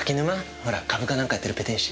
ほら株か何かやってるペテン師。